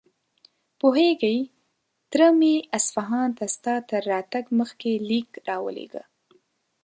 پوهېږې، تره مې اصفهان ته ستا تر راتګ مخکې ليک راولېږه.